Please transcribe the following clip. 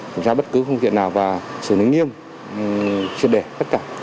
kiểm tra bất cứ phương tiện nào và xử lý nghiêm triệt đề tất cả